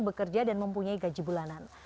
bekerja dan mempunyai gaji bulanan